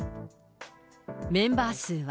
メンバー数は、